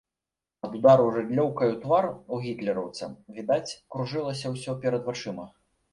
Ад удару рыдлёўкай у твар у гітлераўца, відаць, кружылася ўсё перад вачыма.